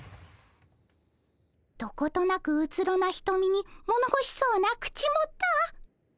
どことなくうつろなひとみにものほしそうな口元。